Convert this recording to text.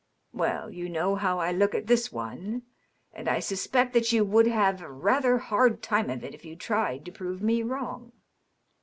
" Well, you know how I look at this one, and I suspect that you would have a rather hard time of it if you tried to prove me wrong."